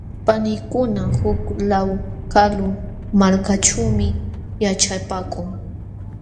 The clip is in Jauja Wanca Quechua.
Paniykuna huk law kalu malkaćhuumi yaćhapaakun.